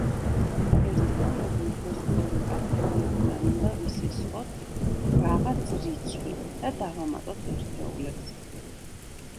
ერთეულები, უფრო სწორედ ათეულებიდან უნდა ვისესხოთ რაღაც რიცხვი და დავამატოთ ერთეულებს.